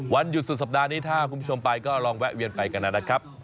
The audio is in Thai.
วันหยุดสุดสัปดาห์นี้ถ้าคุณผู้ชมไปก็ลองแวะเวียนไปกันนะครับ